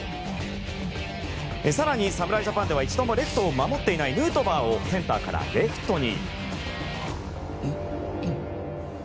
更に、侍ジャパンでは一度もレフトを守っていないヌートバーをセンターからレフトに。